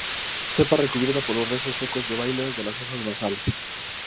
Cepa recubierta por los restos secos de vainas de las hojas basales.